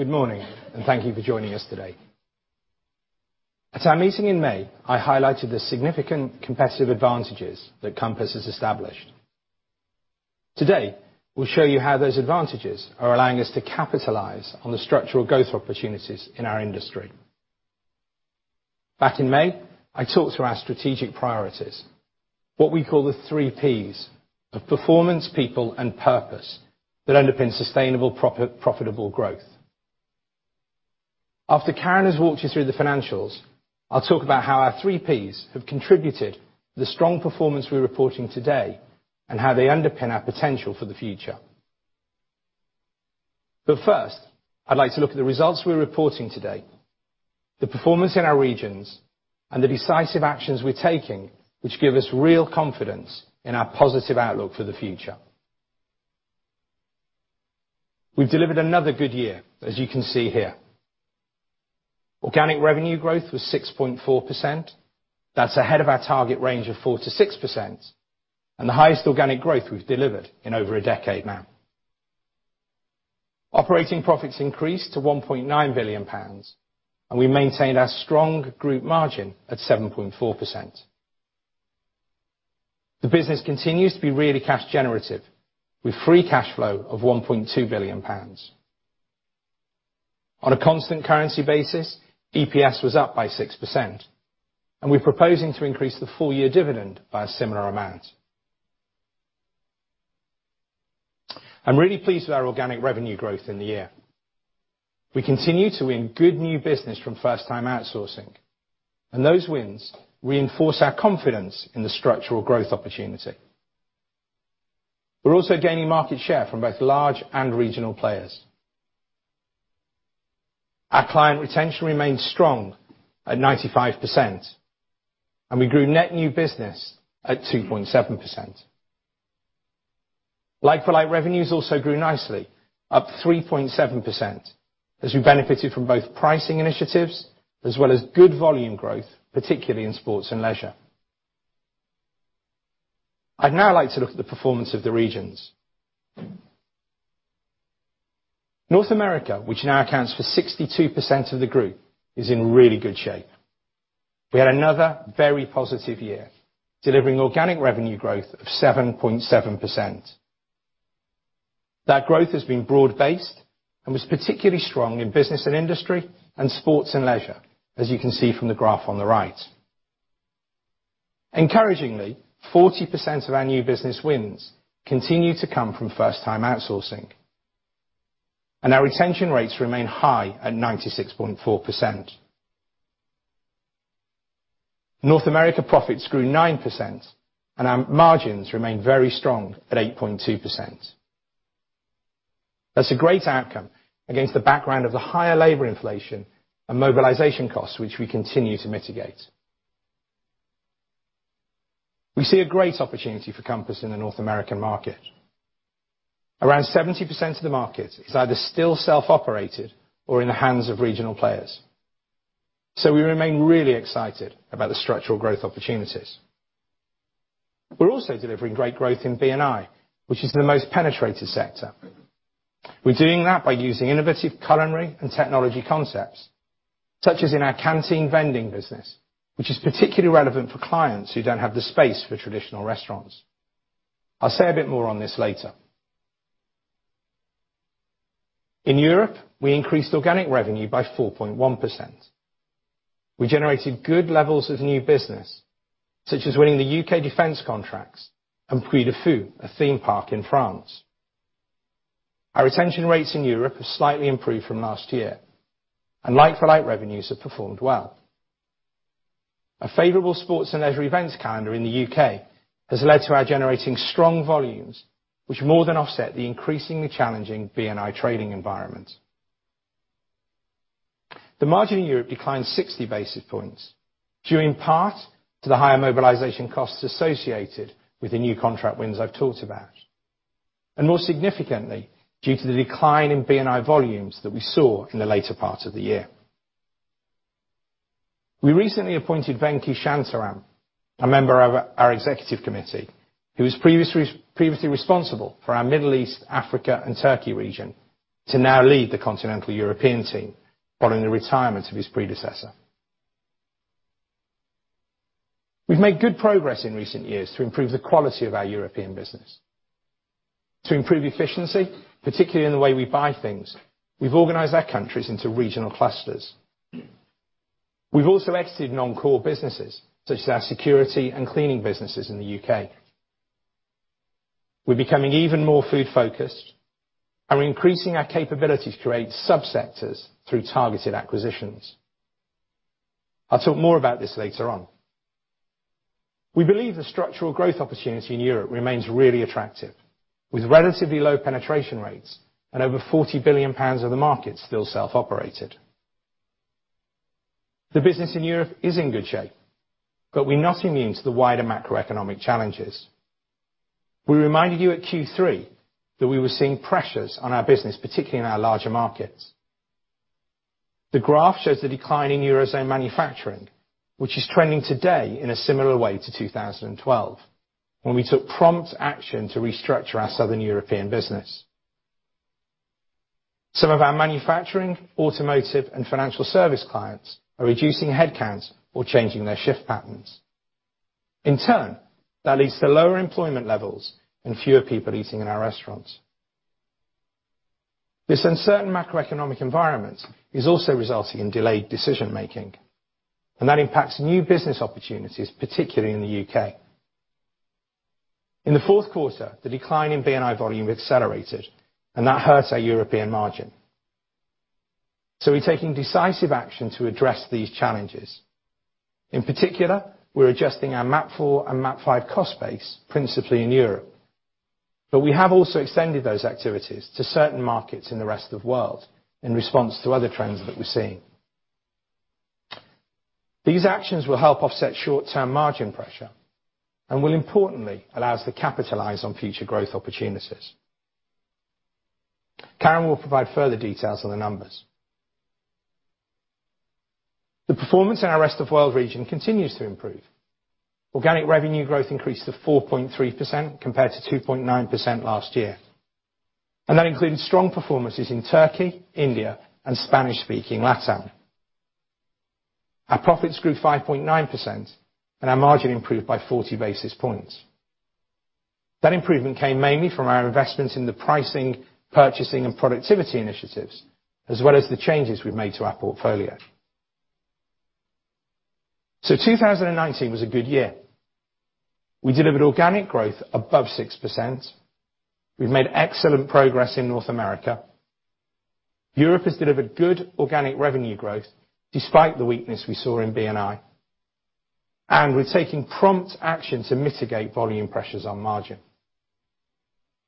Good morning. Thank you for joining us today. At our meeting in May, I highlighted the significant competitive advantages that Compass has established. Today, we'll show you how those advantages are allowing us to capitalize on the structural growth opportunities in our industry. Back in May, I talked through our strategic priorities, what we call the three Ps of performance, people, and purpose that underpin sustainable profitable growth. After Karen has walked you through the financials, I'll talk about how our three Ps have contributed the strong performance we're reporting today, and how they underpin our potential for the future. First, I'd like to look at the results we're reporting today, the performance in our regions, and the decisive actions we're taking, which give us real confidence in our positive outlook for the future. We've delivered another good year, as you can see here. Organic revenue growth was 6.4%. That's ahead of our target range of 4%-6%, and the highest organic growth we've delivered in over a decade now. Operating profits increased to 1.9 billion pounds, and we maintained our strong group margin at 7.4%. The business continues to be really cash generative with free cash flow of 1.2 billion pounds. On a constant currency basis, EPS was up by 6%, and we're proposing to increase the full-year dividend by a similar amount. I'm really pleased with our organic revenue growth in the year. We continue to win good new business from first-time outsourcing, and those wins reinforce our confidence in the structural growth opportunity. We're also gaining market share from both large and regional players. Our client retention remains strong at 95%, and we grew net new business at 2.7%. Like-for-like revenues also grew nicely, up 3.7%, as we benefited from both pricing initiatives as well as good volume growth, particularly in sports and leisure. I'd now like to look at the performance of the regions. North America, which now accounts for 62% of the group, is in really good shape. We had another very positive year, delivering organic revenue growth of 7.7%. That growth has been broad-based and was particularly strong in B&I, and sports and leisure, as you can see from the graph on the right. Encouragingly, 40% of our new business wins continue to come from first-time outsourcing, and our retention rates remain high at 96.4%. North America profits grew 9%, and our margins remain very strong at 8.2%. That's a great outcome against the background of the higher labor inflation and mobilization costs, which we continue to mitigate. We see a great opportunity for Compass in the North American market. Around 70% of the market is either still self-operated or in the hands of regional players. We remain really excited about the structural growth opportunities. We're also delivering great growth in B&I, which is the most penetrated sector. We're doing that by using innovative culinary and technology concepts, such as in our Canteen Vending business, which is particularly relevant for clients who don't have the space for traditional restaurants. I'll say a bit more on this later. In Europe, we increased organic revenue by 4.1%. We generated good levels of new business, such as winning the U.K. defense contracts and Puy du Fou, a theme park in France. Our retention rates in Europe have slightly improved from last year, and like-for-like revenues have performed well. A favorable sports and leisure events calendar in the U.K. has led to our generating strong volumes, which more than offset the increasingly challenging B&I trading environment. The margin in Europe declined 60 basis points, due in part to the higher mobilization costs associated with the new contract wins I've talked about, and more significantly, due to the decline in B&I volumes that we saw in the later part of the year. We recently appointed Venki Shantaram, a member of our executive committee, who was previously responsible for our Middle East, Africa, and Turkey region, to now lead the continental European team following the retirement of his predecessor. We've made good progress in recent years to improve the quality of our European business. To improve efficiency, particularly in the way we buy things, we've organized our countries into regional clusters. We've also exited non-core businesses, such as our security and cleaning businesses in the U.K. We're becoming even more food-focused and we're increasing our capability to create sub-sectors through targeted acquisitions. I'll talk more about this later on. We believe the structural growth opportunity in Europe remains really attractive with relatively low penetration rates and over 40 billion pounds of the market still self-operated. The business in Europe is in good shape, but we're not immune to the wider macroeconomic challenges. We reminded you at Q3 that we were seeing pressures on our business, particularly in our larger markets. The graph shows the decline in Eurozone manufacturing, which is trending today in a similar way to 2012, when we took prompt action to restructure our Southern European business. Some of our manufacturing, automotive, and financial service clients are reducing headcounts or changing their shift patterns. In turn, that leads to lower employment levels and fewer people eating in our restaurants. This uncertain macroeconomic environment is also resulting in delayed decision-making, that impacts new business opportunities, particularly in the U.K. In the fourth quarter, the decline in B&I volume accelerated, that hurts our European margin. We're taking decisive action to address these challenges. In particular, we're adjusting our MAP 4 and MAP 5 cost base, principally in Europe. We have also extended those activities to certain markets in the rest of world in response to other trends that we're seeing. These actions will help offset short-term margin pressure and will importantly allow us to capitalize on future growth opportunities. Karen will provide further details on the numbers. The performance in our rest-of-world region continues to improve. Organic revenue growth increased to 4.3% compared to 2.9% last year. That includes strong performances in Turkey, India, and Spanish-speaking LatAm. Our profits grew 5.9%, and our margin improved by 40 basis points. That improvement came mainly from our investments in the pricing, purchasing, and productivity initiatives, as well as the changes we've made to our portfolio. 2019 was a good year. We delivered organic growth above 6%. We've made excellent progress in North America. Europe has delivered good organic revenue growth despite the weakness we saw in B&I. We're taking prompt action to mitigate volume pressures on margin.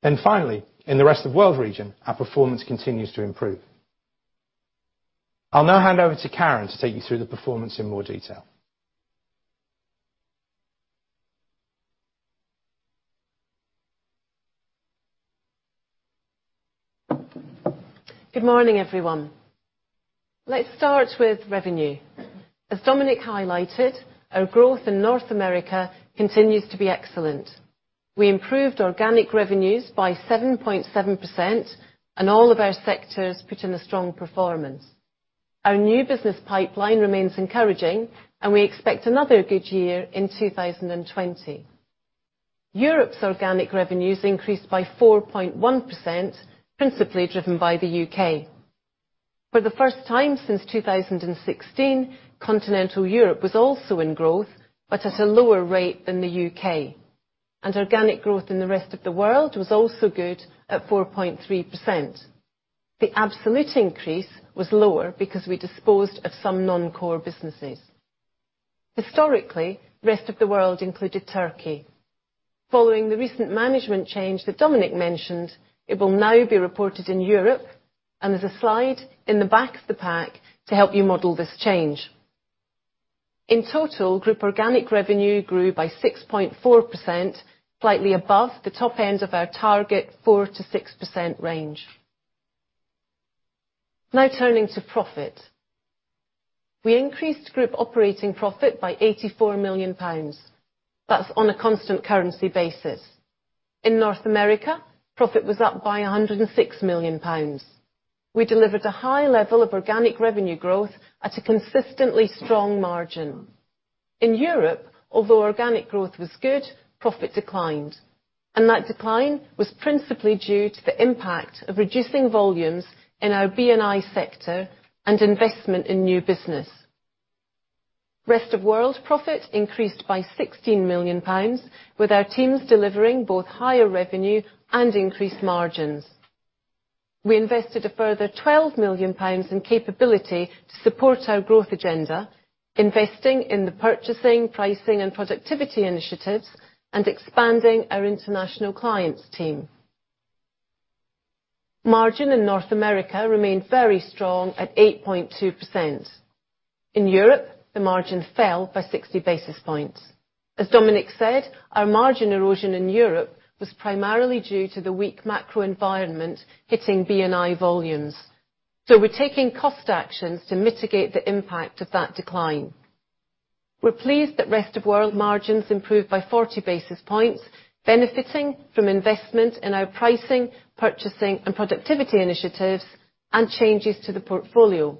Finally, in the rest-of-world region, our performance continues to improve. I'll now hand over to Karen to take you through the performance in more detail. Good morning, everyone. Let's start with revenue. As Dominic highlighted, our growth in North America continues to be excellent. We improved organic revenues by 7.7%, and all of our sectors put in a strong performance. Our new business pipeline remains encouraging, and we expect another good year in 2020. Europe's organic revenues increased by 4.1%, principally driven by the U.K. For the first time since 2016, continental Europe was also in growth, but at a lower rate than the U.K., and organic growth in the rest of the world was also good at 4.3%. The absolute increase was lower because we disposed of some non-core businesses. Historically, rest of the world included Turkey. Following the recent management change that Dominic mentioned, it will now be reported in Europe, and there's a slide in the back of the pack to help you model this change. In total, group organic revenue grew by 6.4%, slightly above the top end of our target, 4%-6% range. Turning to profit. We increased group operating profit by 84 million pounds. That's on a constant currency basis. In North America, profit was up by 106 million pounds. We delivered a high level of organic revenue growth at a consistently strong margin. In Europe, although organic growth was good, profit declined. That decline was principally due to the impact of reducing volumes in our B&I sector and investment in new business. Rest-of-world profit increased by 16 million pounds with our teams delivering both higher revenue and increased margins. We invested a further 12 million pounds in capability to support our growth agenda, investing in the Purchasing, Pricing, and Productivity initiatives, expanding our international clients team. Margin in North America remained very strong at 8.2%. In Europe, the margin fell by 60 basis points. As Dominic said, our margin erosion in Europe was primarily due to the weak macro environment hitting B&I volumes. We're taking Cost Actions to mitigate the impact of that decline. We're pleased that rest-of-world margins improved by 40 basis points, benefiting from investment in our pricing, purchasing, and productivity initiatives, and changes to the portfolio.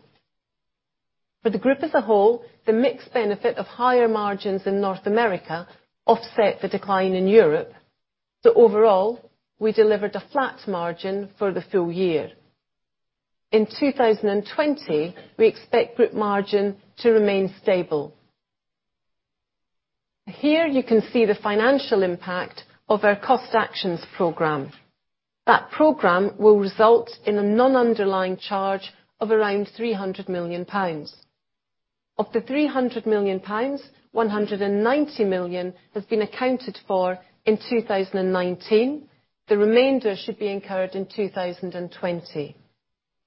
For the group as a whole, the mixed benefit of higher margins in North America offset the decline in Europe. Overall, we delivered a flat margin for the full year. In 2020, we expect group margin to remain stable. Here you can see the financial impact of our Cost Actions program. That program will result in a non-underlying charge of around 300 million pounds. Of the 300 million pounds, 190 million has been accounted for in 2019. The remainder should be incurred in 2020.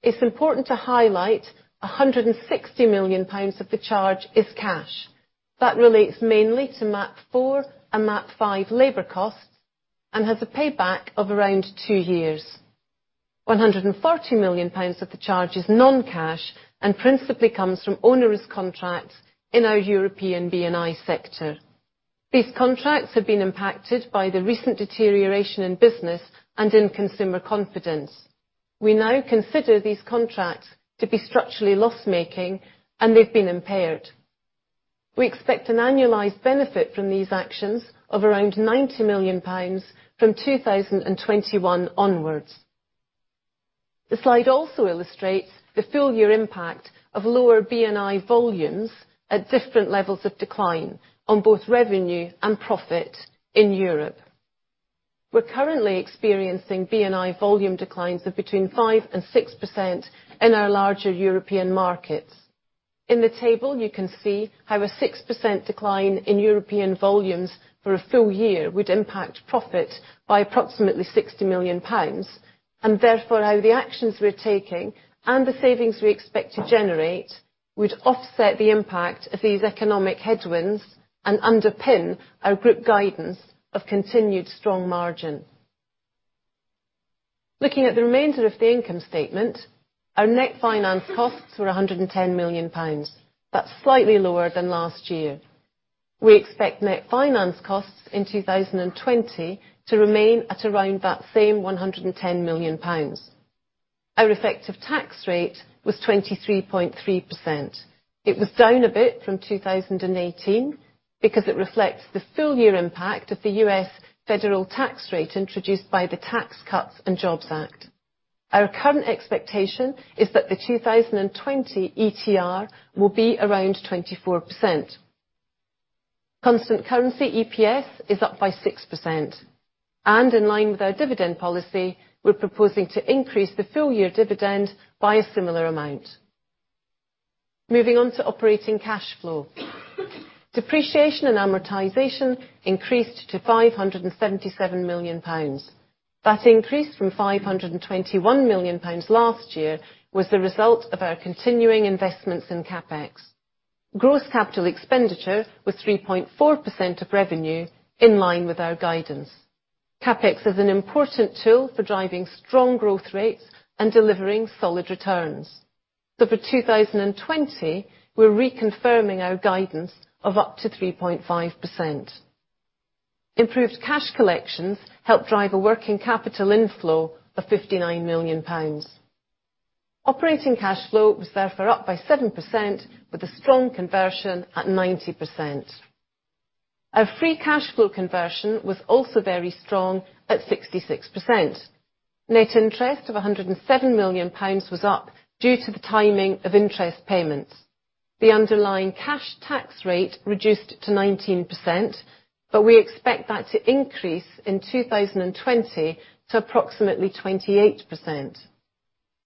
It's important to highlight 160 million pounds of the charge is cash. That relates mainly to MAP 4 and MAP 5 labor costs. It has a payback of around two years. 140 million pounds of the charge is non-cash and principally comes from onerous contracts in our European B&I sector. These contracts have been impacted by the recent deterioration in business and in consumer confidence. We now consider these contracts to be structurally loss-making, and they've been impaired. We expect an annualized benefit from these actions of around 90 million pounds from 2021 onwards. The slide also illustrates the full year impact of lower B&I volumes at different levels of decline on both revenue and profit in Europe. We're currently experiencing B&I volume declines of between 5% and 6% in our larger European markets. In the table, you can see how a 6% decline in European volumes for a full year would impact profit by approximately 60 million pounds, and therefore, how the actions we're taking and the savings we expect to generate would offset the impact of these economic headwinds and underpin our group guidance of continued strong margin. Looking at the remainder of the income statement, our net finance costs were 110 million pounds. That's slightly lower than last year. We expect net finance costs in 2020 to remain at around that same 110 million pounds. Our effective tax rate was 23.3%. It was down a bit from 2018 because it reflects the full year impact of the U.S. federal tax rate introduced by the Tax Cuts and Jobs Act. Our current expectation is that the 2020 ETR will be around 24%. Constant currency EPS is up by 6%. In line with our dividend policy, we're proposing to increase the full-year dividend by a similar amount. Moving on to operating cash flow. Depreciation and amortization increased to 577 million pounds. That increase from 521 million pounds last year was the result of our continuing investments in CapEx. Gross capital expenditure was 3.4% of revenue, in line with our guidance. CapEx is an important tool for driving strong growth rates and delivering solid returns. For 2020, we're reconfirming our guidance of up to 3.5%. Improved cash collections helped drive a working capital inflow of 59 million pounds. Operating cash flow was therefore up by 7% with a strong conversion at 90%. Our free cash flow conversion was also very strong at 66%. Net interest of 107 million pounds was up due to the timing of interest payments. The underlying cash tax rate reduced to 19%, but we expect that to increase in 2020 to approximately 28%.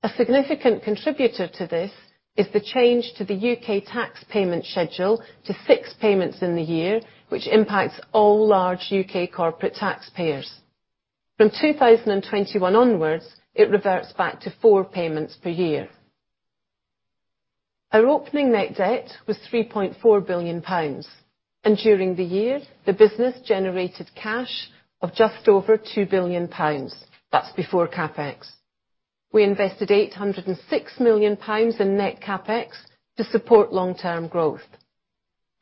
A significant contributor to this is the change to the U.K. tax payment schedule to six payments in the year, which impacts all large U.K. corporate taxpayers. From 2021 onwards, it reverts back to four payments per year. Our opening net debt was 3.4 billion pounds. During the year, the business generated cash of just over 2 billion pounds. That's before CapEx. We invested 806 million pounds in net CapEx to support long-term growth.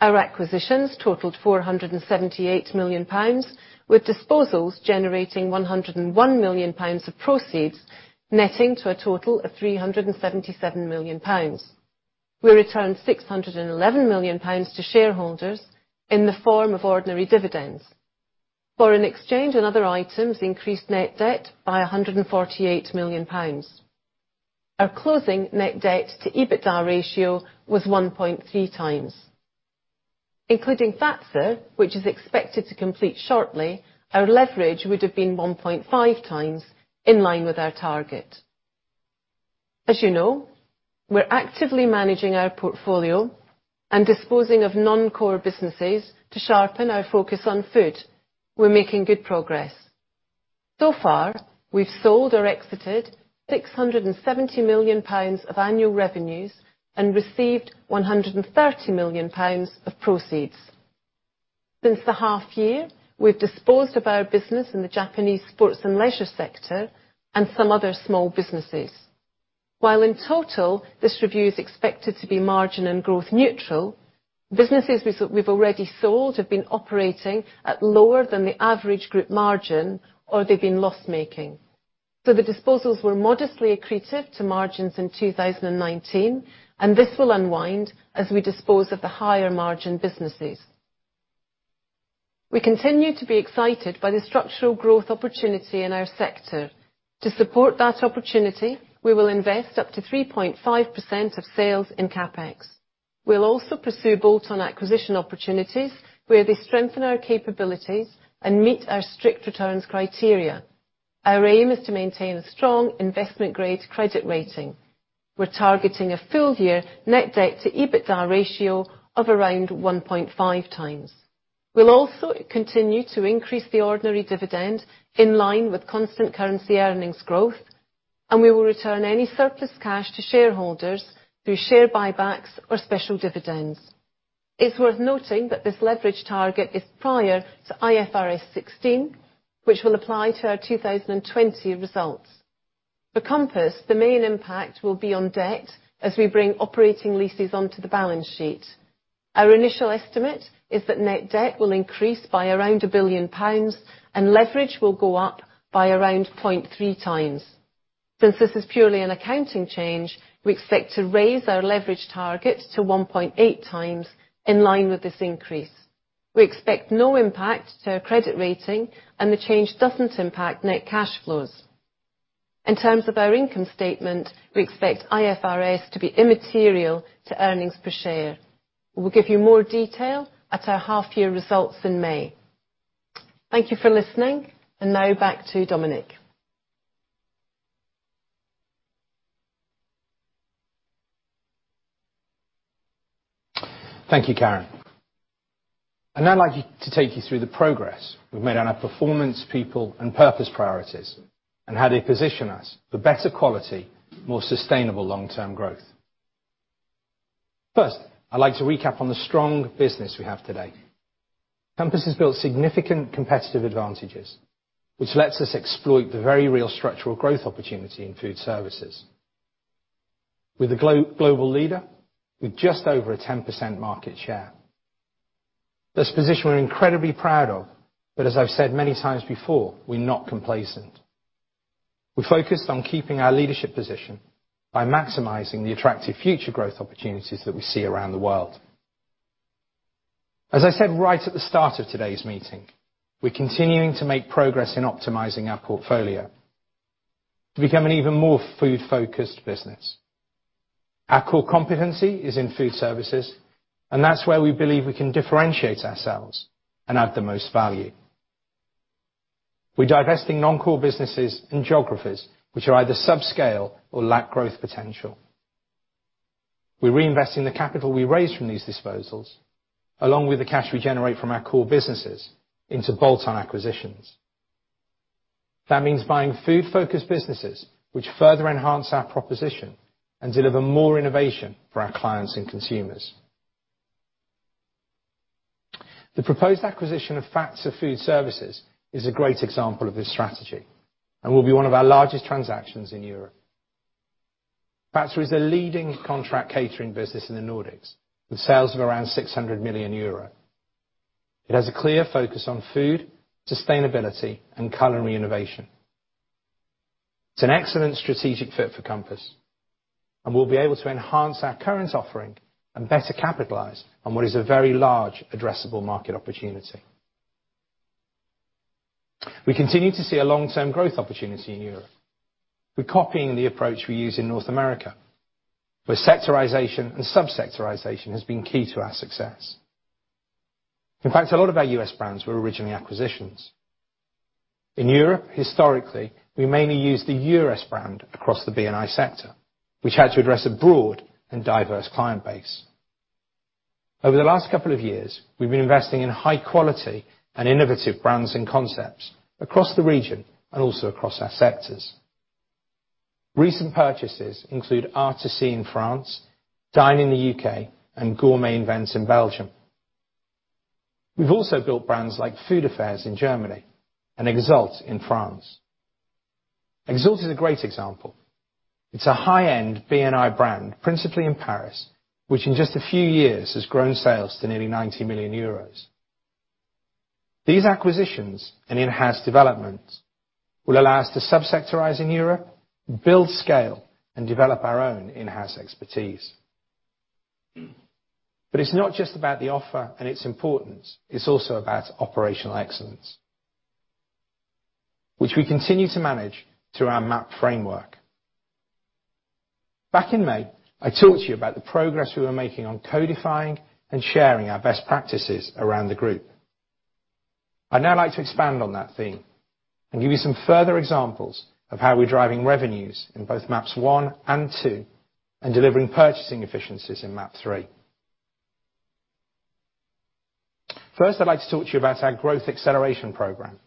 Our acquisitions totaled 478 million pounds, with disposals generating 101 million pounds of proceeds, netting to a total of 377 million pounds. We returned 611 million pounds to shareholders in the form of ordinary dividends. Foreign exchange and other items increased net debt by 148 million pounds. Our closing net debt to EBITDA ratio was 1.3 times. Including Fazer, which is expected to complete shortly, our leverage would have been 1.5 times, in line with our target. As you know, we're actively managing our portfolio and disposing of non-core businesses to sharpen our focus on food. We're making good progress. Far, we've sold or exited 670 million pounds of annual revenues and received 130 million pounds of proceeds. Since the half year, we've disposed of our business in the Japanese sports and leisure sector and some other small businesses. While in total, this review is expected to be margin and growth neutral, businesses we've already sold have been operating at lower than the average group margin, or they've been loss-making. The disposals were modestly accretive to margins in 2019, and this will unwind as we dispose of the higher margin businesses. We continue to be excited by the structural growth opportunity in our sector. To support that opportunity, we will invest up to 3.5% of sales in CapEx. We'll also pursue bolt-on acquisition opportunities where they strengthen our capabilities and meet our strict returns criteria. Our aim is to maintain a strong investment-grade credit rating. We're targeting a full-year net debt to EBITDA ratio of around 1.5 times. We'll also continue to increase the ordinary dividend in line with constant currency earnings growth, and we will return any surplus cash to shareholders through share buybacks or special dividends. It's worth noting that this leverage target is prior to IFRS 16, which will apply to our 2020 results. For Compass, the main impact will be on debt as we bring operating leases onto the balance sheet. Our initial estimate is that net debt will increase by around 1 billion pounds, and leverage will go up by around 0.3 times. Since this is purely an accounting change, we expect to raise our leverage target to 1.8 times in line with this increase. We expect no impact to our credit rating, and the change doesn't impact net cash flows. In terms of our income statement, we expect IFRS to be immaterial to earnings per share. We'll give you more detail at our half year results in May. Thank you for listening. Now back to Dominic. Thank you, Karen. I'd now like to take you through the progress we've made on our Performance, People, and Purpose priorities, and how they position us for better quality, more sustainable long-term growth. First, I'd like to recap on the strong business we have today. Compass has built significant competitive advantages, which lets us exploit the very real structural growth opportunity in food services. We're the global leader with just over a 10% market share. This position we're incredibly proud of, but as I've said many times before, we're not complacent. We're focused on keeping our leadership position by maximizing the attractive future growth opportunities that we see around the world. As I said right at the start of today's meeting, we're continuing to make progress in optimizing our portfolio to become an even more food-focused business. Our core competency is in food services, and that's where we believe we can differentiate ourselves and add the most value. We're divesting non-core businesses in geographies which are either subscale or lack growth potential. We're reinvesting the capital we raise from these disposals, along with the cash we generate from our core businesses, into bolt-on acquisitions. That means buying food-focused businesses, which further enhance our proposition and deliver more innovation for our clients and consumers. The proposed acquisition of Fazer Food Services is a great example of this strategy and will be one of our largest transactions in Europe. Fazer is a leading contract catering business in the Nordics, with sales of around €600 million. It has a clear focus on food, sustainability, and culinary innovation. It's an excellent strategic fit for Compass, we'll be able to enhance our current offering and better capitalize on what is a very large addressable market opportunity. We continue to see a long-term growth opportunity in Europe. We're copying the approach we use in North America, where sectorization and sub-sectorization has been key to our success. In fact, a lot of our U.S. brands were originally acquisitions. In Europe, historically, we mainly use the U.S. brand across the B&I sector. We've had to address a broad and diverse client base. Over the last couple of years, we've been investing in high quality and innovative brands and concepts across the region and also across our sectors. Recent purchases include Artusi in France, Dine in the U.K., and Gourmet Invent in Belgium. We've also built brands like Food Affairs in Germany and Exalt in France. Exalt is a great example. It's a high-end B&I brand, principally in Paris, which in just a few years has grown sales to nearly 90 million euros. These acquisitions and in-house developments will allow us to sub-sectorize in Europe, build scale, and develop our own in-house expertise. It's not just about the offer and its importance, it's also about operational excellence, which we continue to manage through our MAP framework. Back in May, I talked to you about the progress we were making on codifying and sharing our best practices around the group. I'd now like to expand on that theme and give you some further examples of how we're driving revenues in both MAPs 1 and 2, and delivering purchasing efficiencies in MAP 3. First, I'd like to talk to you about our growth acceleration program.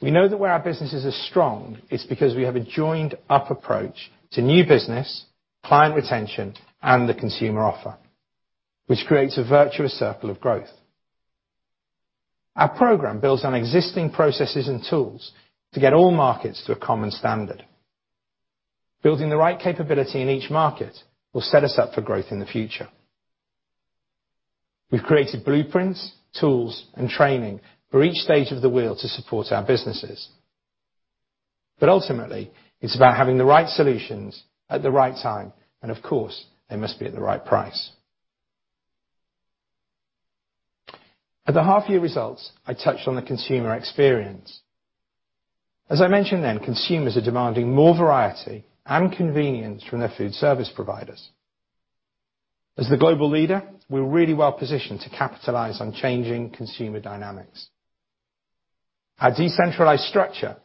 We know that where our businesses are strong, it's because we have a joined up approach to new business, client retention, and the consumer offer, which creates a virtuous circle of growth. Our program builds on existing processes and tools to get all markets to a common standard. Building the right capability in each market will set us up for growth in the future. We've created blueprints, tools, and training for each stage of the wheel to support our businesses. Ultimately, it's about having the right solutions at the right time, and of course, they must be at the right price. At the half year results, I touched on the consumer experience. As I mentioned then, consumers are demanding more variety and convenience from their food service providers. As the global leader, we're really well positioned to capitalize on changing consumer dynamics. Our decentralized structure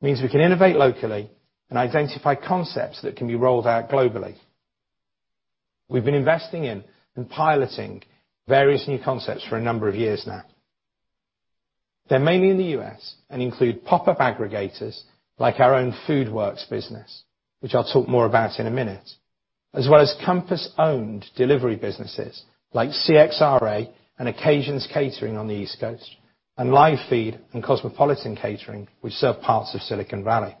means we can innovate locally and identify concepts that can be rolled out globally. We've been investing in and piloting various new concepts for a number of years now. They're mainly in the U.S., and include pop-up aggregators like our own FoodWorks business, which I'll talk more about in a minute, as well as Compass-owned delivery businesses like CxRA and Occasions Catering on the East Coast, and LiveFeed and Cosmopolitan Catering, which serve parts of Silicon Valley.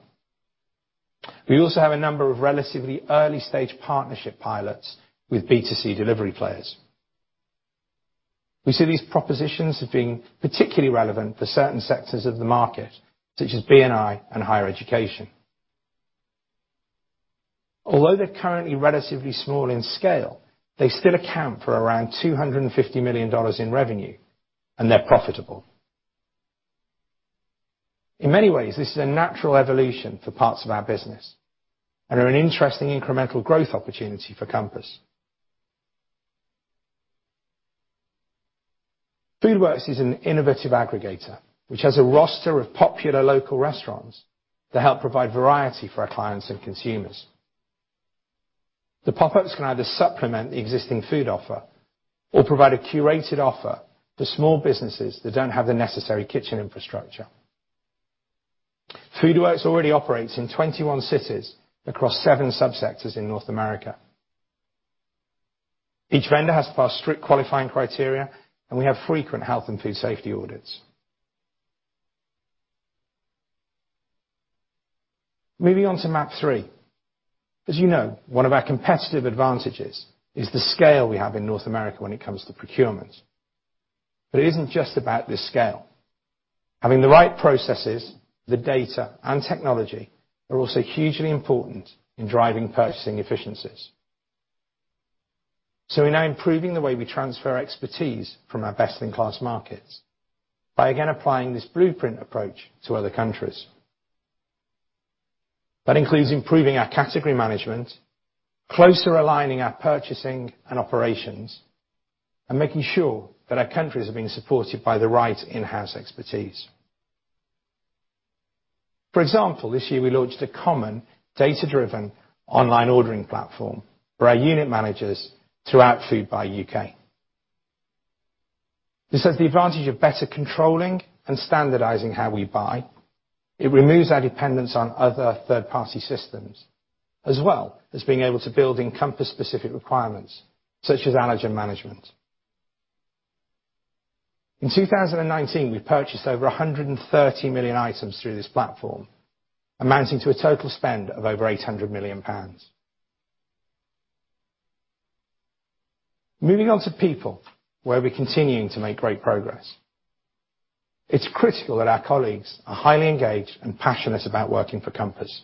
We also have a number of relatively early-stage partnership pilots with B2C delivery players. We see these propositions as being particularly relevant for certain sectors of the market, such as B&I and higher education. Although they're currently relatively small in scale, they still account for around $250 million in revenue, and they're profitable. In many ways, this is a natural evolution for parts of our business and are an interesting incremental growth opportunity for Compass. FoodWorks is an innovative aggregator which has a roster of popular local restaurants that help provide variety for our clients and consumers. The pop-ups can either supplement the existing food offer or provide a curated offer for small businesses that don't have the necessary kitchen infrastructure. FoodWorks already operates in 21 cities across 7 sub-sectors in North America. Each vendor has to pass strict qualifying criteria, and we have frequent health and food safety audits. Moving on to MAP 3. As you know, one of our competitive advantages is the scale we have in North America when it comes to procurement. It isn't just about the scale. Having the right processes, the data, and technology are also hugely important in driving purchasing efficiencies. We're now improving the way we transfer expertise from our best-in-class markets by again applying this blueprint approach to other countries. That includes improving our category management, closer aligning our purchasing and operations, and making sure that our countries are being supported by the right in-house expertise. For example, this year we launched a common data-driven online ordering platform for our unit managers throughout Foodbuy UK. This has the advantage of better controlling and standardizing how we buy. It removes our dependence on other third-party systems, as well as being able to build in Compass-specific requirements, such as allergen management. In 2019, we purchased over 130 million items through this platform, amounting to a total spend of over 800 million pounds. Moving on to people, where we're continuing to make great progress. It's critical that our colleagues are highly engaged and passionate about working for Compass.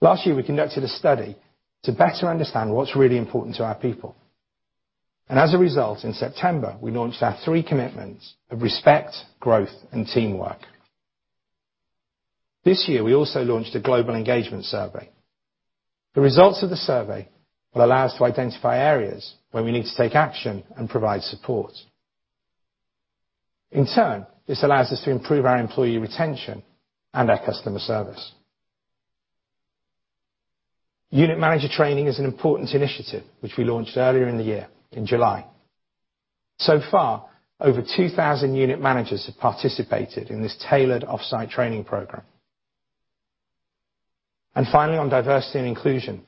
Last year, we conducted a study to better understand what's really important to our people. As a result, in September, we launched our three commitments of respect, growth, and teamwork. This year, we also launched a global engagement survey. The results of the survey will allow us to identify areas where we need to take action and provide support. In turn, this allows us to improve our employee retention and our customer service. Unit manager training is an important initiative which we launched earlier in the year in July. So far, over 2,000 unit managers have participated in this tailored off-site training program. Finally, on diversity and inclusion,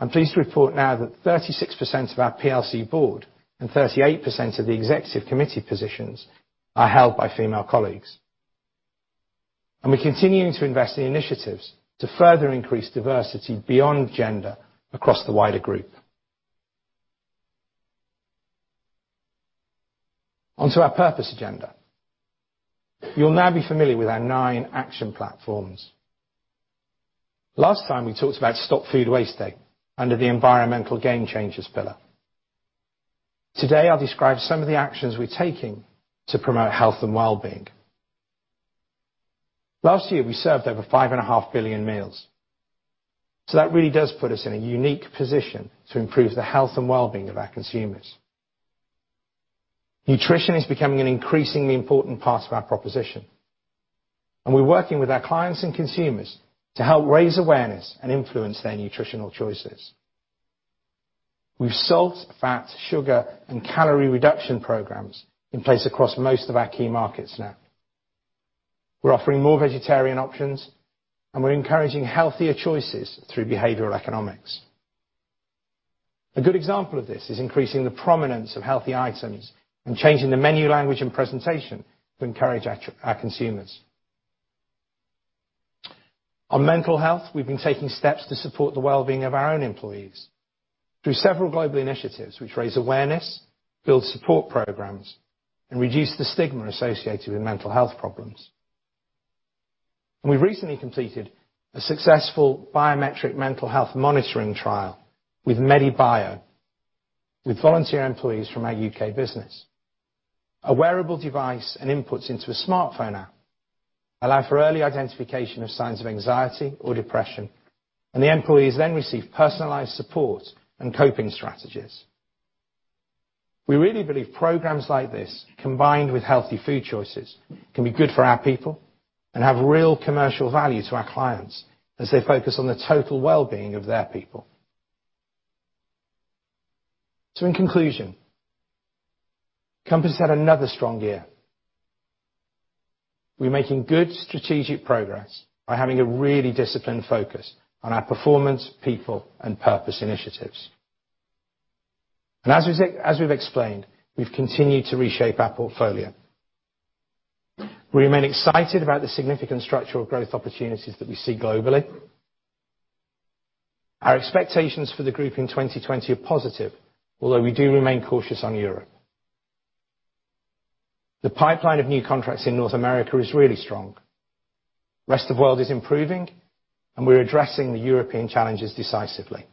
I'm pleased to report now that 36% of our PLC board and 38% of the executive committee positions are held by female colleagues. We're continuing to invest in initiatives to further increase diversity beyond gender across the wider group. On to our purpose agenda. You'll now be familiar with our nine action platforms. Last time, we talked about Stop Food Waste Day under the environmental game changers pillar. Today, I'll describe some of the actions we're taking to promote health and well-being. Last year, we served over 5.5 billion meals, that really does put us in a unique position to improve the health and well-being of our consumers. Nutrition is becoming an increasingly important part of our proposition, we're working with our clients and consumers to help raise awareness and influence their nutritional choices. We've salt, fat, sugar, and calorie reduction programs in place across most of our key markets now. We're offering more vegetarian options, we're encouraging healthier choices through behavioral economics. A good example of this is increasing the prominence of healthy items and changing the menu language and presentation to encourage our consumers. On mental health, we've been taking steps to support the well-being of our own employees through several global initiatives which raise awareness, build support programs, and reduce the stigma associated with mental health problems. We recently completed a successful biometric mental health monitoring trial with Medibio with volunteer employees from our U.K. business. A wearable device and inputs into a smartphone app allow for early identification of signs of anxiety or depression, and the employees then receive personalized support and coping strategies. We really believe programs like this, combined with healthy food choices, can be good for our people and have real commercial value to our clients as they focus on the total well-being of their people. In conclusion, Compass had another strong year. We're making good strategic progress by having a really disciplined focus on our performance, people, and purpose initiatives. As we've explained, we've continued to reshape our portfolio. We remain excited about the significant structural growth opportunities that we see globally. Our expectations for the group in 2020 are positive, although we do remain cautious on Europe. The pipeline of new contracts in North America is really strong. Rest of world is improving, and we're addressing the European challenges decisively.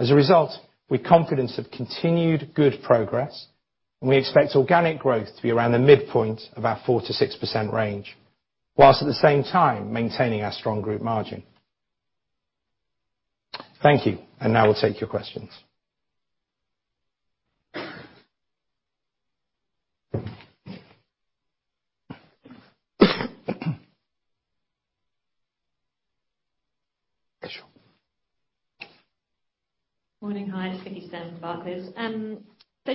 As a result, we're confident of continued good progress, and we expect organic growth to be around the midpoint of our 4%-6% range, whilst at the same time maintaining our strong group margin. Thank you. Now we'll take your questions. Kashu. Morning. Hi, it's Vicki Stern, Barclays.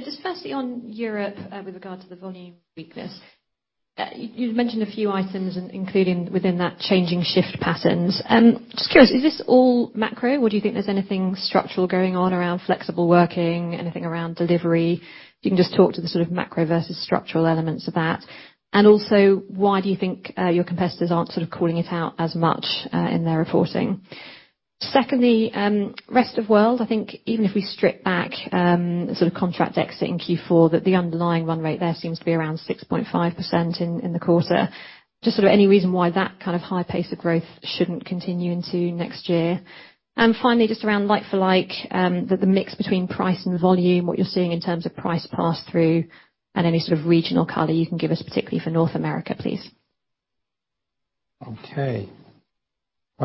Just firstly, on Europe, with regard to the volume weakness, you'd mentioned a few items, including within that changing shift patterns. Just curious, is this all macro, or do you think there's anything structural going on around flexible working, anything around delivery? If you can just talk to the sort of macro versus structural elements of that. Also, why do you think your competitors aren't sort of calling it out as much in their reporting? Secondly, Rest of World, I think even if we strip back sort of contract exits in Q4, that the underlying run rate there seems to be around 6.5% in the quarter. Just sort of any reason why that kind of high pace of growth shouldn't continue into next year? Finally, just around like-for-like, the mix between price and volume, what you're seeing in terms of price pass-through and any sort of regional color you can give us, particularly for North America, please. Okay.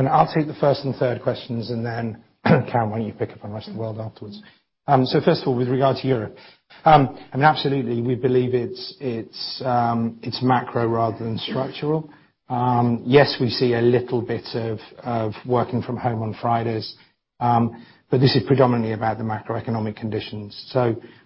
I'll take the first and third questions, then Karen, why don't you pick up on Rest of World afterwards? First of all, with regard to Europe. I mean, absolutely, we believe it's macro rather than structural. Yes, we see a little bit of working from home on Fridays. This is predominantly about the macroeconomic conditions.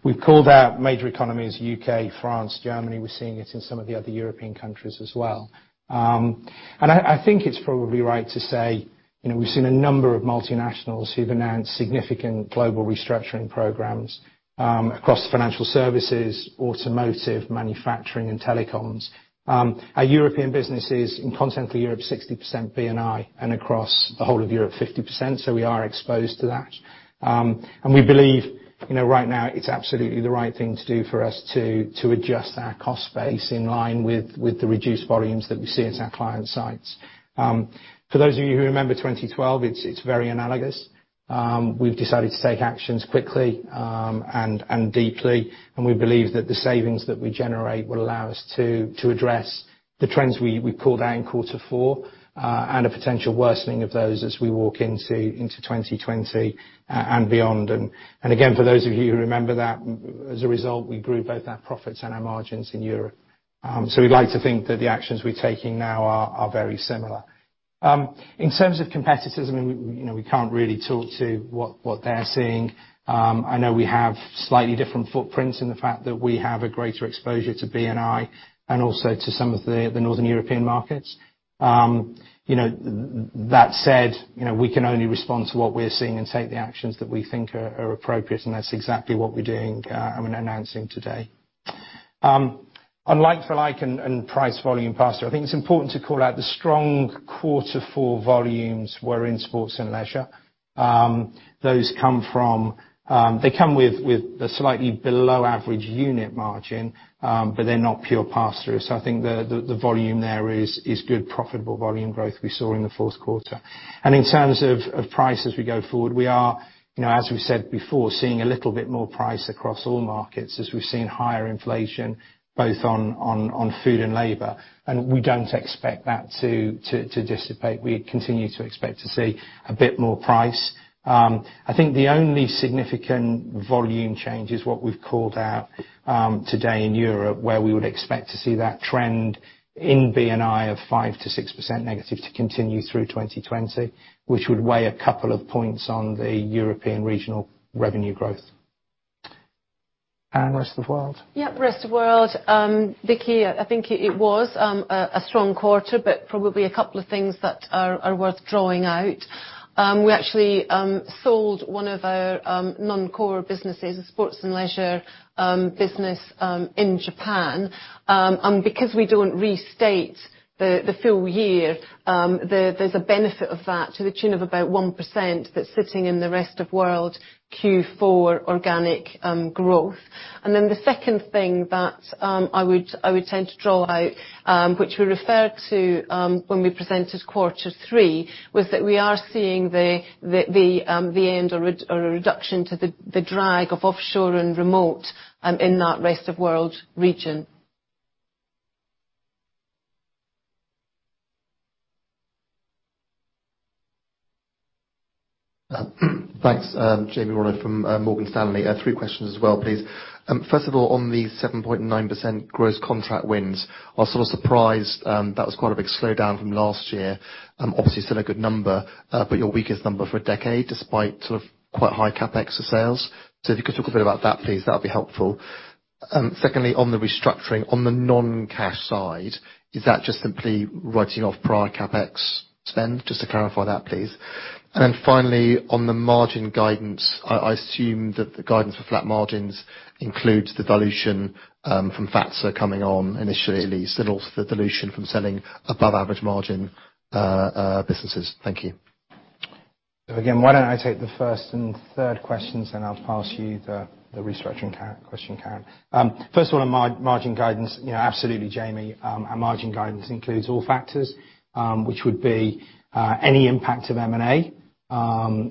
We've called out major economies, U.K., France, Germany. We're seeing it in some of the other European countries as well. I think it's probably right to say, we've seen a number of multinationals who've announced significant global restructuring programs across financial services, automotive, manufacturing, and telecoms. Our European businesses in Continental Europe, 60% B&I, and across the whole of Europe, 50%, so we are exposed to that. We believe, right now, it's absolutely the right thing to do for us to adjust our cost base in line with the reduced volumes that we see at our client sites. For those of you who remember 2012, it's very analogous. We've decided to take actions quickly and deeply, and we believe that the savings that we generate will allow us to address the trends we called out in quarter four, and a potential worsening of those as we walk into 2020, and beyond. Again, for those of you who remember that, as a result, we grew both our profits and our margins in Europe. We'd like to think that the actions we're taking now are very similar. In terms of competitors, I mean, we can't really talk to what they're seeing. I know we have slightly different footprints in the fact that we have a greater exposure to B&I and also to some of the Northern European markets. We can only respond to what we're seeing and take the actions that we think are appropriate, and that's exactly what we're doing and announcing today. On like-for-like and price volume pass-through, I think it's important to call out the strong quarter four volumes were in sports and leisure. Those come with a slightly below average unit margin, they're not pure pass-through. I think the volume there is good, profitable volume growth we saw in the fourth quarter. In terms of price as we go forward, we are, as we said before, seeing a little bit more price across all markets as we've seen higher inflation both on food and labor. We don't expect that to dissipate. We continue to expect to see a bit more price. I think the only significant volume change is what we've called out today in Europe, where we would expect to see that trend in B&I of 5%-6% negative to continue through 2020, which would weigh a couple of points on the European regional revenue growth. Rest of World. Rest of World. Vicki, I think it was a strong quarter, but probably a couple of things that are worth drawing out. We actually sold one of our non-core businesses, a sports and leisure business in Japan. Because we don't restate the full year, there's a benefit of that to the tune of about 1% that's sitting in the Rest of World Q4 organic growth. The second thing that I would tend to draw out, which we referred to when we presented quarter three, was that we are seeing the end or a reduction to the drag of offshore and remote in that Rest of World region. Thanks. Jamie Rollo from Morgan Stanley. Three questions as well, please. First of all, on the 7.9% gross contract wins, I was sort of surprised. That was quite a big slowdown from last year. Obviously, still a good number, but your weakest number for a decade, despite sort of quite high CapEx to sales. If you could talk a bit about that, please, that would be helpful. Secondly, on the restructuring, on the non-cash side, is that just simply writing off prior CapEx spend? Just to clarify that, please. Finally, on the margin guidance, I assume that the guidance for flat margins includes the dilution from Fazer coming on initially, at least, and also the dilution from selling above average margin businesses. Thank you. Again, why don't I take the first and third questions, then I'll pass you the restructuring question, Karen. First one on margin guidance, absolutely, Jamie. Our margin guidance includes all factors, which would be any impact of M&A,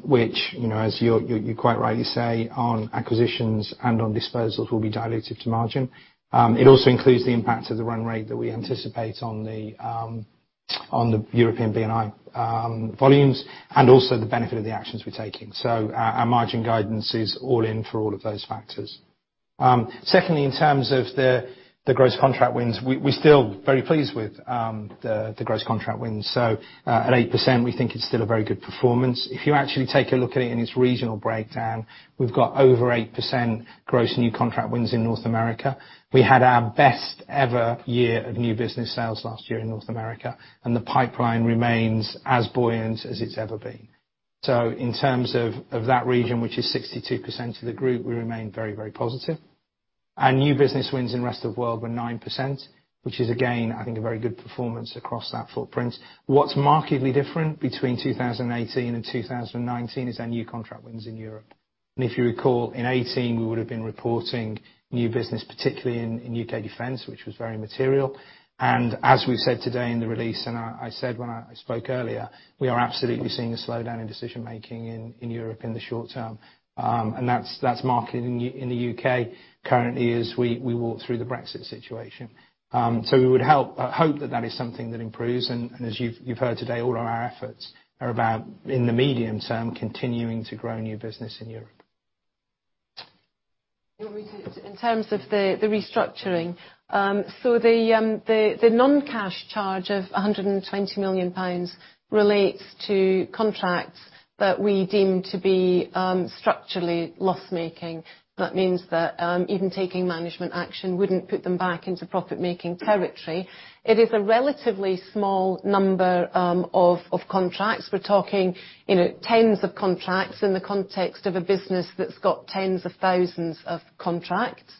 which, as you quite rightly say, on acquisitions and on disposals will be dilutive to margin. It also includes the impact of the run rate that we anticipate on the European B&I volumes, and also the benefit of the actions we're taking. Our margin guidance is all in for all of those factors. Secondly, in terms of the gross contract wins, we're still very pleased with the gross contract wins. At 8%, we think it's still a very good performance. If you actually take a look at it in its regional breakdown, we've got over 8% gross new contract wins in North America. We had our best ever year of new business sales last year in North America, and the pipeline remains as buoyant as it's ever been. In terms of that region, which is 62% of the group, we remain very positive. Our new business wins in Rest of World were 9%, which is again, I think, a very good performance across that footprint. What's markedly different between 2018 and 2019 is our new contract wins in Europe. If you recall, in 2018, we would've been reporting new business, particularly in U.K. defense, which was very material. As we've said today in the release, and I said when I spoke earlier, we are absolutely seeing a slowdown in decision-making in Europe in the short term. That's marked in the U.K. currently as we walk through the Brexit situation. We would hope that that is something that improves. As you've heard today, all our efforts are about, in the medium term, continuing to grow new business in Europe. In terms of the restructuring. The non-cash charge of 120 million pounds relates to contracts that we deem to be structurally loss-making. That means that even taking management action wouldn't put them back into profit-making territory. It is a relatively small number of contracts. We're talking tens of contracts in the context of a business that's got tens of thousands of contracts.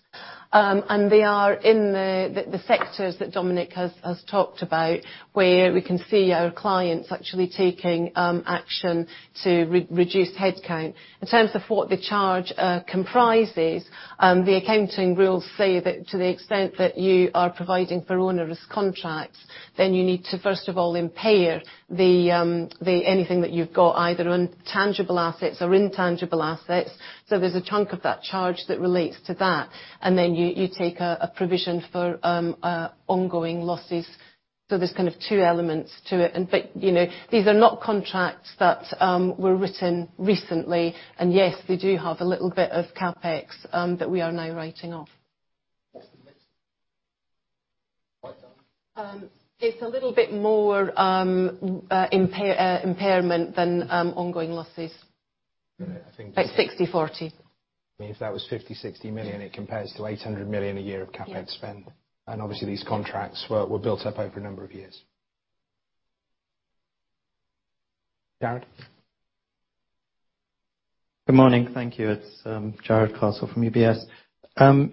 They are in the sectors that Dominic has talked about, where we can see our clients actually taking action to reduce headcount. In terms of what the charge comprises, the accounting rules say that to the extent that you are providing for onerous contracts, then you need to first of all impair anything that you've got, either on tangible assets or intangible assets. There's a chunk of that charge that relates to that. Then you take a provision for ongoing losses. There's kind of two elements to it. These are not contracts that were written recently. Yes, they do have a little bit of CapEx that we are now writing off. What's the mix? It's a little bit more impairment than ongoing losses. I think- About 60-40. If that was 50, 60 million, it compares to 800 million a year of CapEx spend. Yes. Obviously these contracts were built up over a number of years. Jarrod? Good morning. Thank you. It's Jarrod Castle from UBS.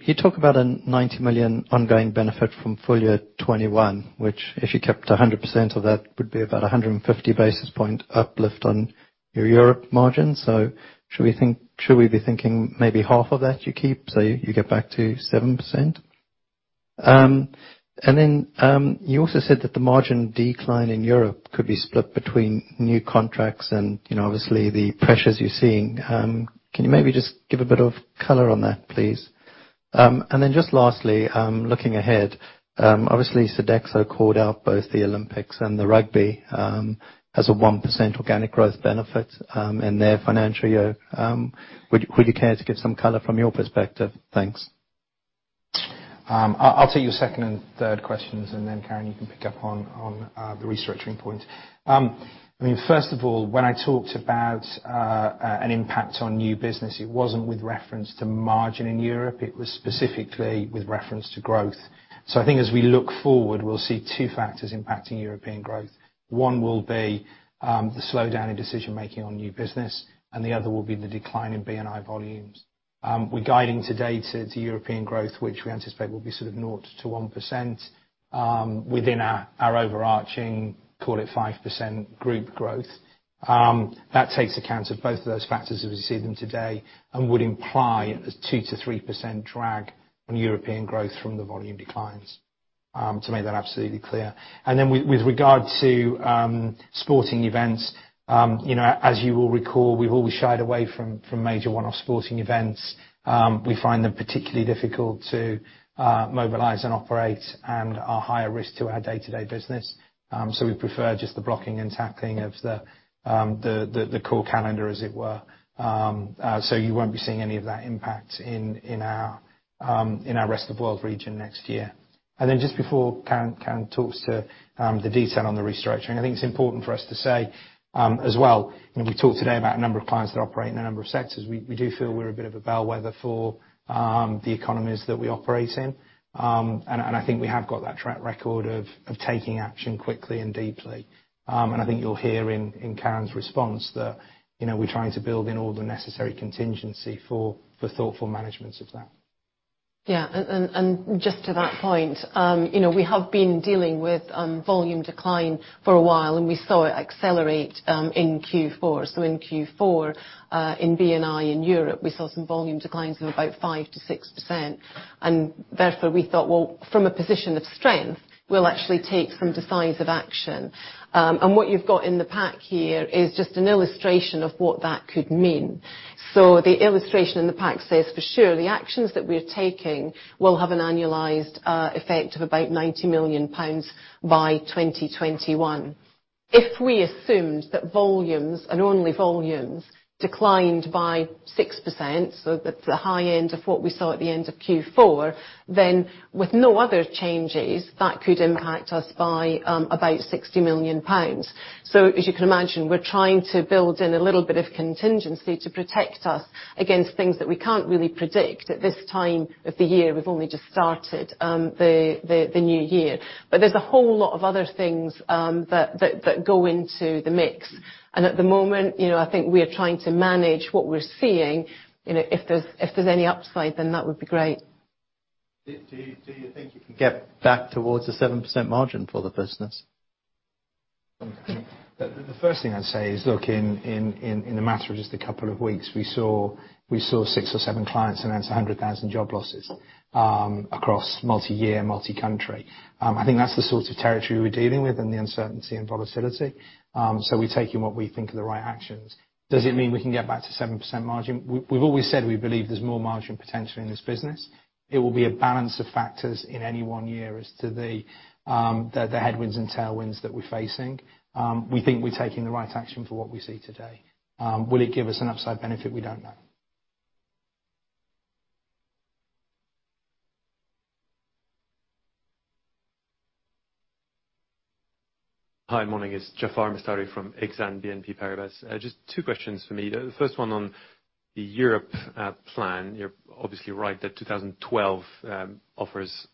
You talk about a 90 million ongoing benefit from full year 2021, which, if you kept 100% of that, would be about 150 basis point uplift on your Europe margin. Should we be thinking maybe half of that you keep, so you get back to 7%? You also said that the margin decline in Europe could be split between new contracts and obviously the pressures you're seeing. Can you maybe just give a bit of color on that, please? Just lastly, looking ahead, obviously Sodexo called out both the Olympics and the Rugby as a 1% organic growth benefit in their financial year. Would you care to give some color from your perspective? Thanks. I'll take your second and third questions, and then Karen, you can pick up on the restructuring point. First of all, when I talked about an impact on new business, it wasn't with reference to margin in Europe, it was specifically with reference to growth. I think as we look forward, we'll see two factors impacting European growth. One will be the slowdown in decision-making on new business, and the other will be the decline in B&I volumes. We're guiding today to European growth, which we anticipate will be sort of 0%-1% within our overarching, call it 5% group growth. That takes account of both of those factors as we see them today and would imply a 2%-3% drag on European growth from the volume declines, to make that absolutely clear. With regard to sporting events, as you will recall, we've always shied away from major one-off sporting events. We find them particularly difficult to mobilize and operate and are higher risk to our day-to-day business. We prefer just the blocking and tackling of the core calendar, as it were. You won't be seeing any of that impact in our rest of world region next year. Just before Karen talks to the detail on the restructuring, I think it's important for us to say as well, we've talked today about a number of clients that operate in a number of sectors. We do feel we're a bit of a bellwether for the economies that we operate in. I think we have got that track record of taking action quickly and deeply. I think you'll hear in Karen's response that we're trying to build in all the necessary contingency for thoughtful management of that. Just to that point, we have been dealing with volume decline for a while, and we saw it accelerate in Q4. In Q4, in B&I in Europe, we saw some volume declines of about 5%-6%. Therefore, we thought, well, from a position of strength, we'll actually take some decisive action. What you've got in the pack here is just an illustration of what that could mean. The illustration in the pack says, for sure, the actions that we're taking will have an annualized effect of about 90 million pounds by 2021. If we assumed that volumes, and only volumes, declined by 6%, so that's the high end of what we saw at the end of Q4, then with no other changes, that could impact us by about 60 million pounds. As you can imagine, we're trying to build in a little bit of contingency to protect us against things that we can't really predict at this time of the year. We've only just started the new year. There's a whole lot of other things that go into the mix. At the moment, I think we are trying to manage what we're seeing. If there's any upside, then that would be great. Do you think you can get back towards a 7% margin for the business? The first thing I'd say is, look, in a matter of just a couple of weeks, we saw six or seven clients announce 100,000 job losses across multi-year, multi-country. I think that's the sort of territory we're dealing with and the uncertainty and volatility. We're taking what we think are the right actions. Does it mean we can get back to 7% margin? We've always said we believe there's more margin potential in this business. It will be a balance of factors in any one year as to the headwinds and tailwinds that we're facing. We think we're taking the right action for what we see today. Will it give us an upside benefit? We don't know. Hi, morning. It's Jaafar Mestari from Exane BNP Paribas. Just two questions for me. The first one on the Europe plan. You're obviously right that 2012 offers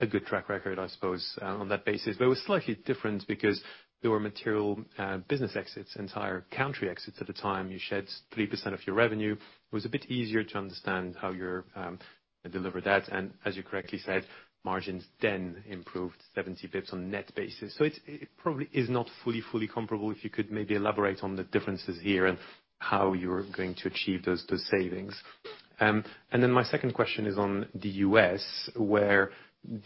a good track record, I suppose, on that basis. It was slightly different because there were material business exits, entire country exits at the time. You shed 3% of your revenue. It was a bit easier to understand how you're going to deliver that. As you correctly said, margins improved 70 basis points on net basis. It probably is not fully comparable. If you could maybe elaborate on the differences here and how you're going to achieve those savings? My second question is on the U.S., where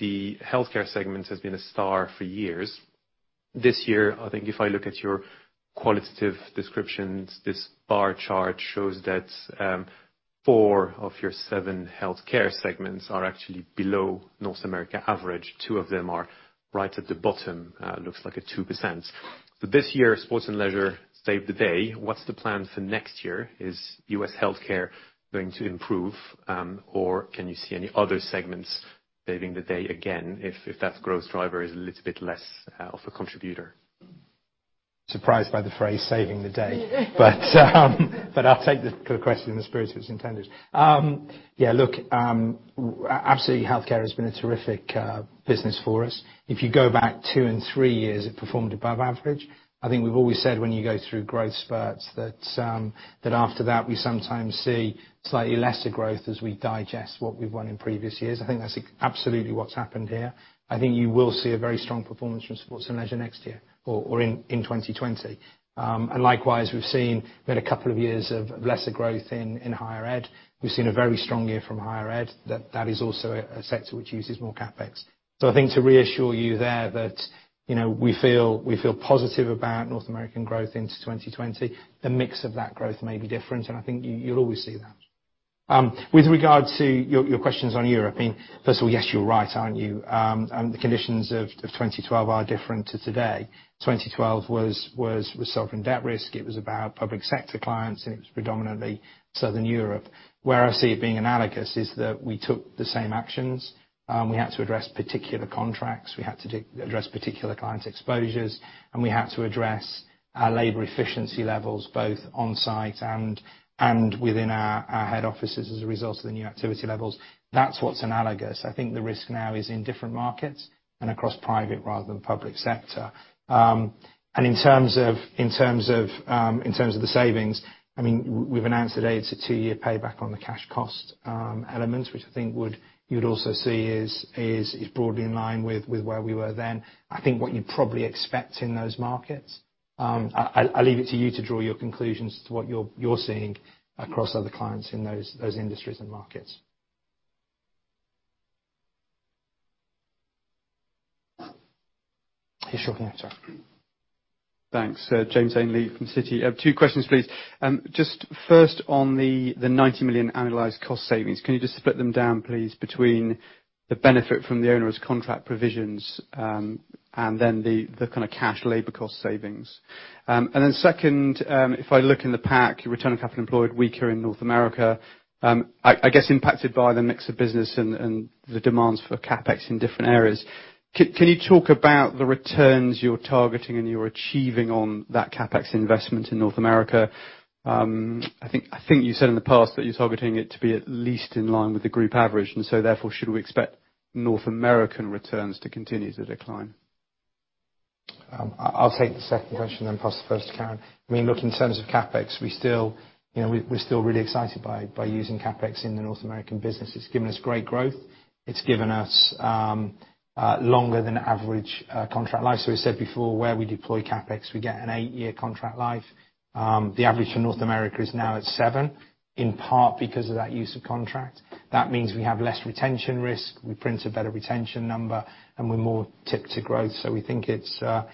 the healthcare segment has been a star for years. This year, I think if I look at your qualitative descriptions, this bar chart shows that four of your seven healthcare segments are actually below North America average. Two of them are right at the bottom. Looks like a 2%. This year, sports and leisure saved the day. What's the plan for next year? Is U.S. healthcare going to improve? Can you see any other segments saving the day again if that growth driver is a little bit less of a contributor? Surprised by the phrase "saving the day." I'll take the question in the spirit it was intended. Yeah, look, absolutely, healthcare has been a terrific business for us. If you go back two and three years, it performed above average. I think we've always said when you go through growth spurts, that after that, we sometimes see slightly lesser growth as we digest what we've won in previous years. I think that's absolutely what's happened here. I think you will see a very strong performance from sports and leisure next year or in 2020. Likewise, we've seen we've had a couple of years of lesser growth in higher ed. We've seen a very strong year from higher ed. That is also a sector which uses more CapEx. I think to reassure you there that we feel positive about North American growth into 2020. The mix of that growth may be different. I think you'll always see that. With regard to your questions on Europe, I mean, first of all, yes, you're right, aren't you? The conditions of 2012 are different to today. 2012 was sovereign debt risk. It was about public sector clients. It was predominantly Southern Europe. Where I see it being analogous is that we took the same actions. We had to address particular contracts, we had to address particular client exposures. We had to address our labor efficiency levels, both on-site and within our head offices as a result of the new activity levels. That's what's analogous. I think the risk now is in different markets and across private rather than public sector. In terms of the savings, we've announced today it's a two-year payback on the cash cost elements, which I think you would also see is broadly in line with where we were then. I think what you'd probably expect in those markets. I'll leave it to you to draw your conclusions to what you're seeing across other clients in those industries and markets. Sure, yeah, Jeff. Thanks. James Ainley from Citi. Two questions, please. Just first on the 90 million annualized cost savings, can you just split them down, please, between the onerous contract provisions and then the kind of cash labor cost savings? Second, if I look in the pack, your return on capital employed weaker in North America, I guess impacted by the mix of business and the demands for CapEx in different areas. Can you talk about the returns you're targeting and you're achieving on that CapEx investment in North America? I think you said in the past that you're targeting it to be at least in line with the group average, therefore, should we expect North American returns to continue to decline? I'll take the second question, then pass the first to Karen. Look, in terms of CapEx, we're still really excited by using CapEx in the North American business. It's given us great growth. It's given us longer than average contract life. We said before, where we deploy CapEx, we get an eight-year contract life. The average for North America is now at seven, in part because of that use of contract. That means we have less retention risk, we print a better retention number, and we're more tipped to growth. We think it's a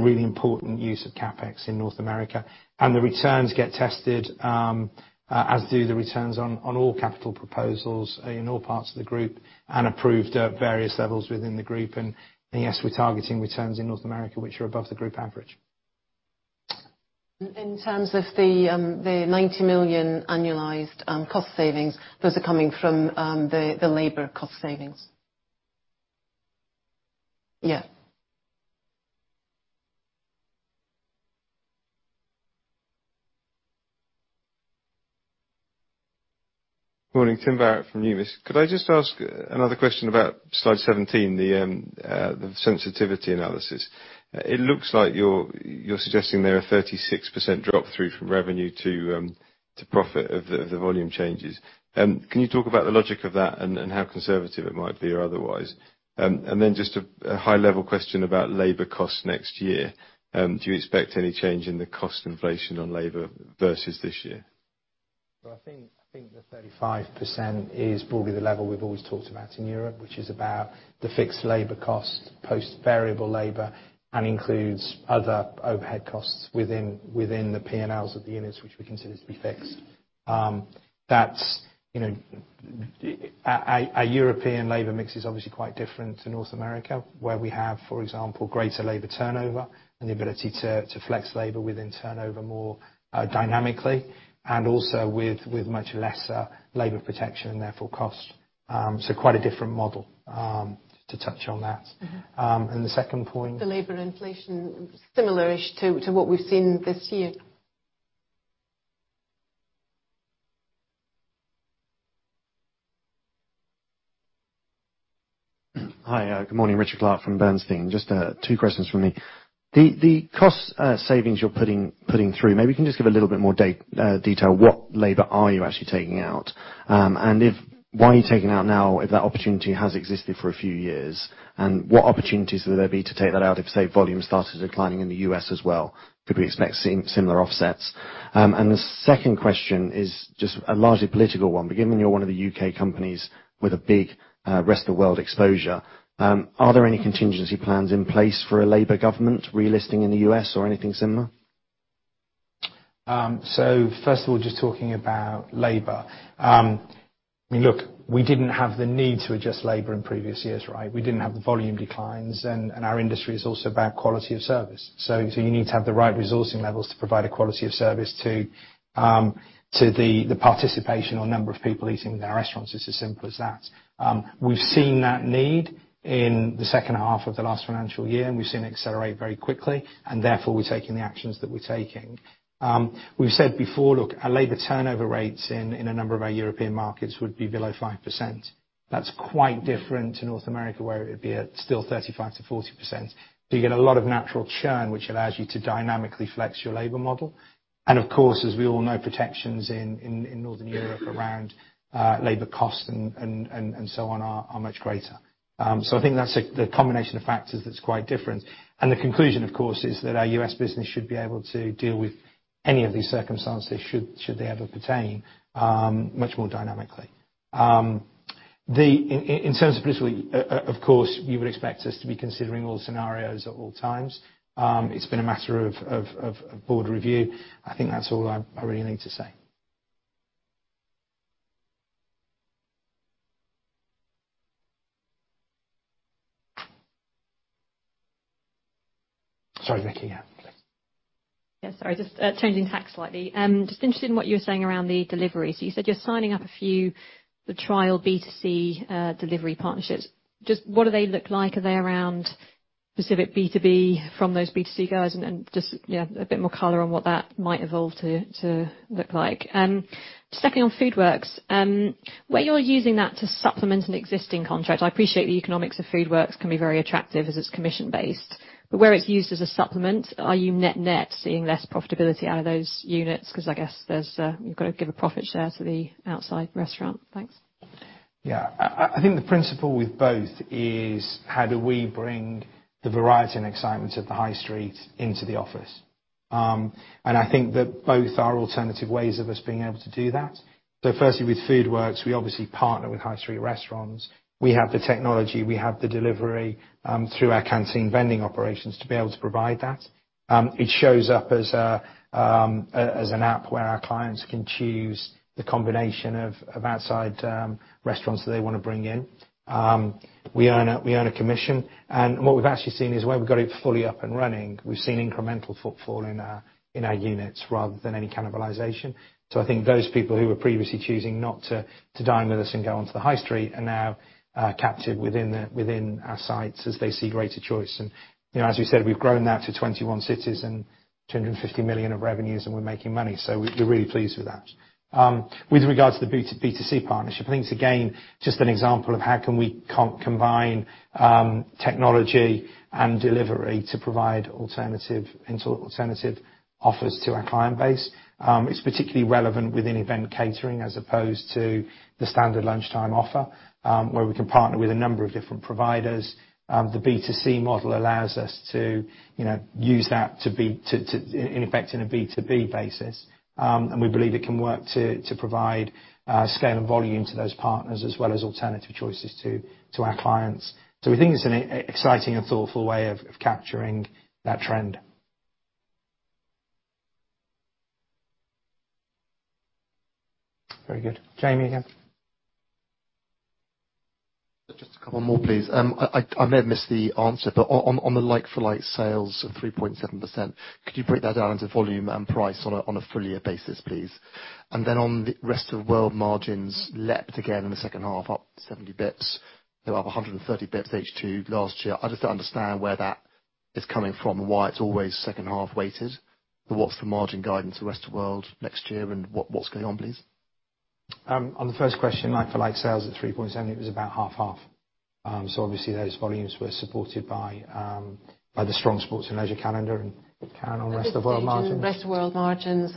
really important use of CapEx in North America. The returns get tested, as do the returns on all capital proposals in all parts of the group, and approved at various levels within the group. Yes, we're targeting returns in North America which are above the group average. In terms of the 90 million annualized cost savings, those are coming from the labor cost savings? Yeah. Morning, Tim Barrett from Numis. Could I just ask another question about slide 17, the sensitivity analysis? It looks like you're suggesting there a 36% drop through from revenue to profit of the volume changes. Can you talk about the logic of that and how conservative it might be or otherwise? Just a high level question about labor costs next year. Do you expect any change in the cost inflation on labor versus this year? Well, I think the 35% is broadly the level we've always talked about in Europe, which is about the fixed labor cost, post variable labor, and includes other overhead costs within the P&Ls of the units, which we consider to be fixed. Our European labor mix is obviously quite different to North America, where we have, for example, greater labor turnover and the ability to flex labor within turnover more dynamically, and also with much lesser labor protection and therefore cost. Quite a different model to touch on that. The second point? The labor inflation, similar-ish to what we've seen this year. Hi, good morning. Richard Clarke from Bernstein. Just two questions from me. The cost savings you're putting through, maybe you can just give a little bit more detail. What labor are you actually taking out? Why are you taking out now if that opportunity has existed for a few years? What opportunities will there be to take that out if, say, volume started declining in the U.S. as well? Could we expect similar offsets? The second question is just a largely political one, but given you're one of the U.K. companies with a big rest of world exposure, are there any contingency plans in place for a Labor government relisting in the U.S. or anything similar? First of all, just talking about labor. Look, we didn't have the need to adjust labor in previous years, right? We didn't have the volume declines, and our industry is also about quality of service. You need to have the right resourcing levels to provide a quality of service to the participation or number of people eating in our restaurants. It's as simple as that. We've seen that need in the second half of the last financial year, and we've seen it accelerate very quickly, and therefore we're taking the actions that we're taking. We've said before, look, our labor turnover rates in a number of our European markets would be below 5%. That's quite different to North America, where it would be at still 35%-40%. You get a lot of natural churn, which allows you to dynamically flex your labor model. Of course, as we all know, protections in northern Europe around labor cost and so on are much greater. I think that's the combination of factors that's quite different. The conclusion, of course, is that our U.S. business should be able to deal with any of these circumstances, should they ever pertain, much more dynamically. In terms of politically, of course, you would expect us to be considering all scenarios at all times. It's been a matter of board review. I think that's all I really need to say. Sorry, Vicki. Yeah, please. Sorry. Just changing tack slightly. Just interested in what you were saying around the delivery. You said you're signing up a few, the trial B2C delivery partnerships. Just what do they look like? Are they around specific B2B from those B2C guys? Just a bit more color on what that might evolve to look like. Second, on FoodWorks, where you're using that to supplement an existing contract, I appreciate the economics of FoodWorks can be very attractive as it's commission-based, but where it's used as a supplement, are you net-net seeing less profitability out of those units? I guess you've got to give a profit share to the outside restaurant. Thanks. Yeah. I think the principle with both is how do we bring the variety and excitement of the high street into the office? I think that both are alternative ways of us being able to do that. Firstly, with Foodworks, we obviously partner with high street restaurants. We have the technology, we have the delivery through our Canteen Vending operations to be able to provide that. It shows up as an app where our clients can choose the combination of outside restaurants that they want to bring in. We earn a commission. What we've actually seen is where we've got it fully up and running, we've seen incremental footfall in our units rather than any cannibalization. I think those people who were previously choosing not to dine with us and go onto the high street are now captured within our sites as they see greater choice. As you said, we've grown now to 21 cities and $250 million of revenues. We're making money. We're really pleased with that. With regards to the B2C partnership, I think it's again, just an example of how can we combine technology and delivery to provide alternative offers to our client base. It's particularly relevant within event catering as opposed to the standard lunchtime offer, where we can partner with a number of different providers. The B2C model allows us to use that in effect in a B2B basis. We believe it can work to provide scale and volume to those partners as well as alternative choices to our clients. We think it's an exciting and thoughtful way of capturing that trend. Very good. Jamie again. Just a couple more, please. I may have missed the answer, but on the like-for-like sales of 3.7%, could you break that down into volume and price on a full year basis, please? On the rest of world margins leapt again in the second half, up 70 basis points, though up 130 basis points H2 last year. I just don't understand where that is coming from and why it's always second half weighted. What's the margin guidance for rest of world next year and what's going on, please? On the first question, like-for-like sales at 3.7%, it was about half-half. Obviously those volumes were supported by the strong sports and leisure calendar and Karen on rest of world margins. Rest of world margins.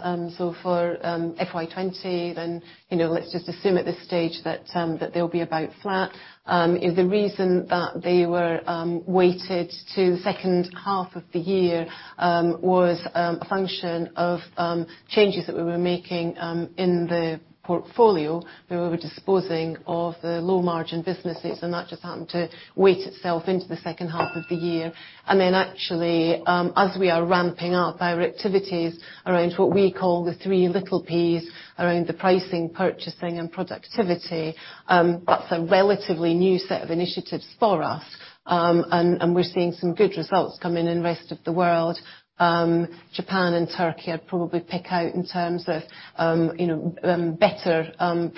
For FY 2020, then let's just assume at this stage that they'll be about flat. The reason that they were weighted to second half of the year, was a function of changes that we were making in the portfolio, where we were disposing of the low margin businesses, and that just happened to weight itself into the second half of the year. Then actually, as we are ramping up our activities around what we call the three little Ps, around the pricing, purchasing, and productivity, that's a relatively new set of initiatives for us. We're seeing some good results come in in rest of the world. Japan and Turkey I'd probably pick out in terms of better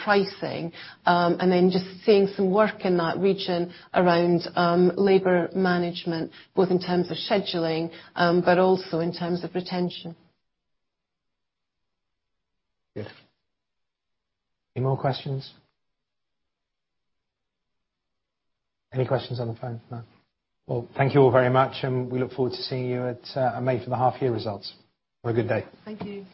pricing. Then just seeing some work in that region around labor management, both in terms of scheduling, but also in terms of retention. Good. Any more questions? Any questions on the phone, no? Well, thank you all very much, and we look forward to seeing you at May for the half year results. Have a good day. Thank you.